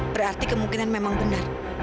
berarti kemungkinan memang benar